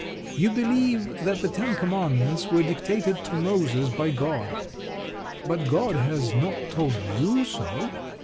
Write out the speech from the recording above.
You believe that the Ten Commandments were dictated to Moses by God. But God has not told you so.